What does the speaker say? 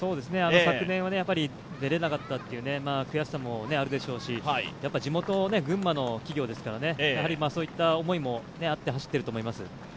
昨年は出れなかったという悔しさもあるでしょうし、地元・群馬の企業ですから、そういった思いもあって走っていると思います。